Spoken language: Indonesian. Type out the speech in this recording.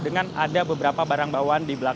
dengan ada beberapa barang bawah